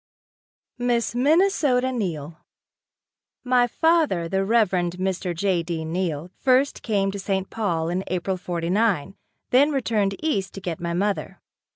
Miss Minnesota Neill. My father, the Reverend Mr. J. D. Neill, first came to St. Paul in April '49, then returned east to get my mother.